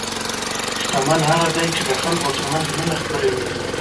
شتمن هغه دی چې د خلکو ترمنځ مینه خپروي.